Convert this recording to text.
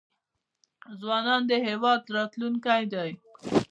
ځوانان د هیواد راتلونکی دی